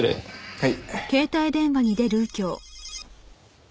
はい。